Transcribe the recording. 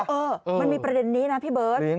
เออมันมีประเด็นนี้นะพี่เบิร์ต